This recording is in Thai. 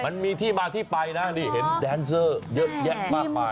มันมีที่มาที่ไปนะนี่เห็นแดนเซอร์เยอะแยะมากมาย